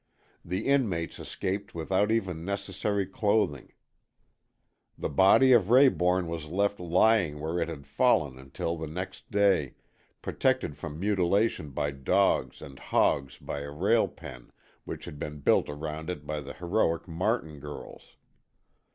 The inmates escaped without even necessary clothing. The body of Rayborn was left lying where it had fallen until the next day, protected from mutilation by dogs and hogs by a rail pen which had been built around it by the heroic Martin girls.